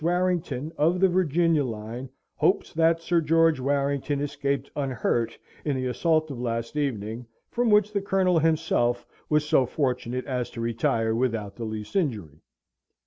Warrington, of the Virginia line, hopes that Sir George Warrington escaped unhurt in the assault of last evening, from which the Colonel himself was so fortunate as to retire without the least injury."